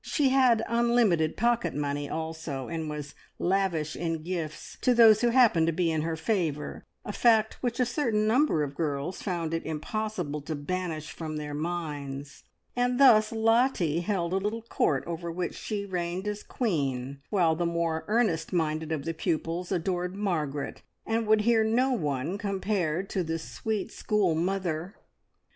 She had unlimited pocket money also, and was lavish in gifts to those who happened to be in her favour, a fact which a certain number of girls found it impossible to banish from their minds; and thus Lottie held a little court over which she reigned as queen, while the more earnest minded of the pupils adored Margaret, and would hear no one compared to the sweet "school mother."